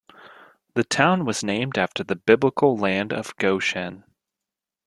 The town was named after the biblical Land of Goshen.